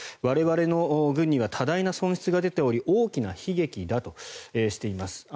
我々の軍には多大な損失が出ており大きな悲劇だとしています。